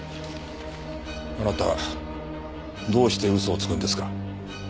あなたどうして嘘をつくんですか？